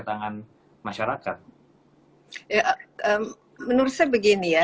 tangan masyarakat menurut saya begini ya